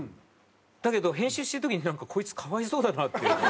だけど編集してる時になんかこいつ可哀想だなっていうね。